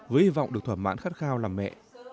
với hy vọng được thỏa mãn khát khao làm mẹ